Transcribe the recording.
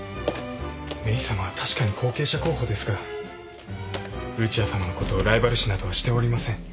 メイさまは確かに後継者候補ですがルチアさまのことをライバル視などはしておりません。